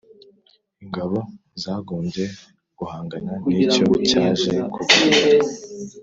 Ingabo zagombye guhangana ni cyo cyaje kugaragara